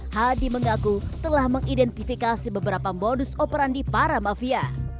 hadi mengaku telah mengidentifikasi beberapa modus operandi para mafia